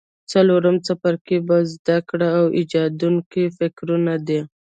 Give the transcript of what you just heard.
څلورم څپرکی په زده کړه او ایجادوونکو فکرونو دی.